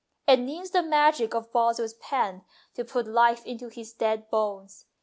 It needs the magic of Boswell's pen to put life into his dead bones.